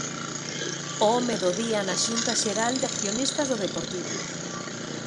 O home do día na xunta xeral de accionistas do Deportivo.